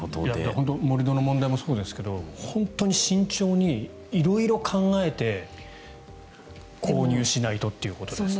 本当に盛り土の問題もそうですが本当に慎重に色々考えて購入しないとということですよね。